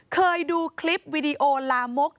เคยดูคลิปวิดีโอนิราธิกษาดันเรียน